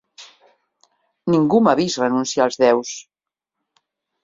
Ningú m'ha vist renunciar als déus.